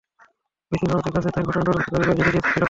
BCB সভাপতির কাছে তাই ঘটনার তদন্ত দাবি করে চিঠি দিয়েছে ক্লাবটি।